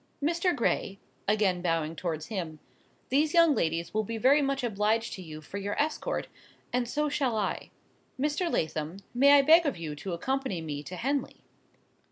Mr. Gray," (again bowing towards him) "these young ladies will be very much obliged to you for your escort, and so shall I. Mr. Lathom, may I beg of you to accompany me to Henley?"